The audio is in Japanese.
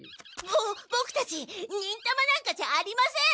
ボボクたち忍たまなんかじゃありません！